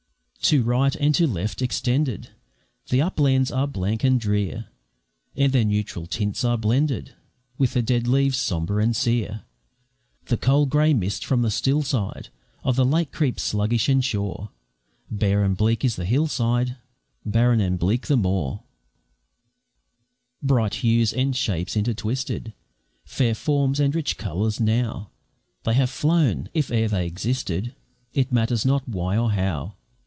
To right and to left extended The uplands are blank and drear, And their neutral tints are blended With the dead leaves sombre and sere; The cold grey mist from the still side Of the lake creeps sluggish and sure, Bare and bleak is the hill side, Barren and bleak the moor. Bright hues and shapes intertwisted, Fair forms and rich colours; now They have flown if e'er they existed It matters not why or how.